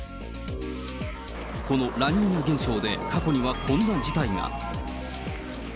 このラニーニャ現象で、過去にはこんな事態が。